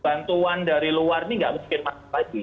bantuan dari luar ini nggak mungkin masuk lagi